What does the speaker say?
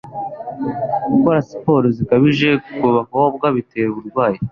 Gukora siporo zikabije ku bakobwa bitera uburwayi